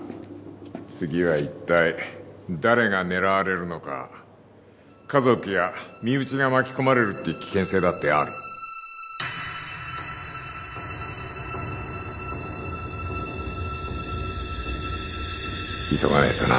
次は一体誰が狙われるのか家族や身内が巻き込まれるって危険性だってある急がねえとな